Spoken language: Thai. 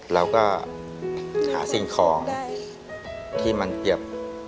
เราก็หาสิ่งของที่มันเก็บ